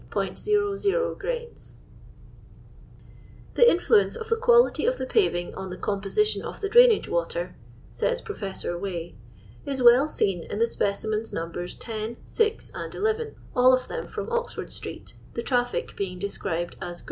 Wood $t 34 00 600 39 00 " The influence of the quality of the paving on the composition of the drainage water," says Pro fessor Way, " is well seen in the specimens Nos. 10, 6, and 11, all of them from Oxford street, the traffic being described as ' Great.